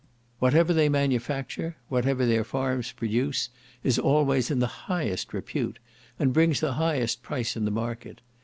Whatever they manufacture, whatever their farms produce, is always in the highest repute, and brings the highest price in the market.